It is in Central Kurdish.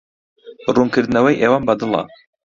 ڕوونکردنەوەی ئێوەم بەدڵە.